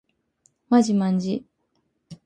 まじまんじ